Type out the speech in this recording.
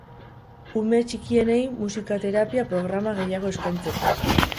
Ume txikienei musika-terapia programa gehiago eskaintzeko.